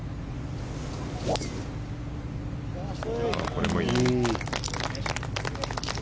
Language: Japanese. これもいい。